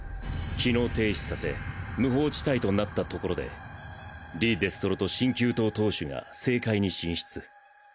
機能停止させ無法地帯となったところでリ・デストロと心求党党主が政界に進出。